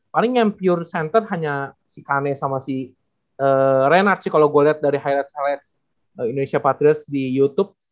paling yang pure center hanya si kane sama si renard sih kalo gue liat dari highlight highlight indonesia patriots di youtube